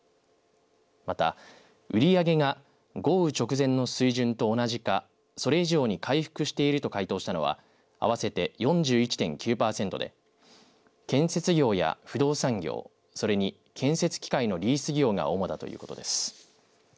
また、売り上げが豪雨直前の水準と同じかそれ以上に回復していると回答したのは合わせて４１．９パーセントで建設業や不動産業それに、建設機械のリース業が主だということです。